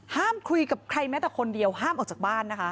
คุยกับใครแม้แต่คนเดียวห้ามออกจากบ้านนะคะ